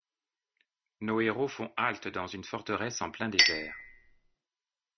Nos héros font halte dans une forteresse en plein désert.